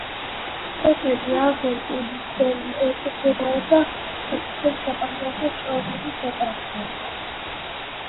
სოფელი ალერტი ექვემდებარება საქართველოს საპატრიარქოს ჭყონდიდის ეპარქიას.